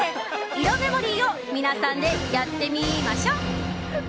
イロメモリーを皆さんでやってみーましょ！